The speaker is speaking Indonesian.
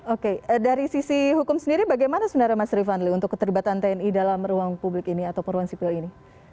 oke dari sisi hukum sendiri bagaimana sebenarnya mas rifanli untuk keterlibatan tni dalam ruang publik ini atau peruang sipil ini